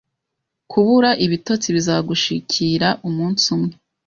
Kubura ibitotsi bizagushikira umunsi umwe